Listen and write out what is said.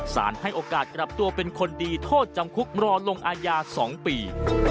ให้โอกาสกลับตัวเป็นคนดีโทษจำคุกรอลงอาญา๒ปี